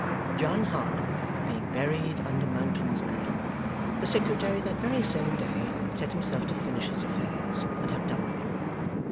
John Harmon being buried under mountains now, the Secretary that very same day set himself to finish his affairs and have done with him.